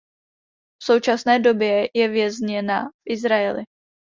V současné době je vězněna v Izraeli.